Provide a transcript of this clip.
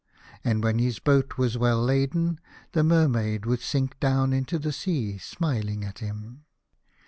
And when his boat was well laden, the Mer maid would sink down into the sea, smiling at him.